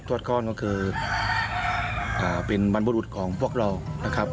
ทวดก้อนก็คือเป็นบรรพบุรุษของพวกเรา